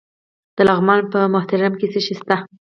د لغمان په مهترلام کې څه شی شته؟